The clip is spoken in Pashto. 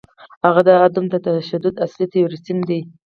هغه د عدم تشدد اصلي تیوریسن دی.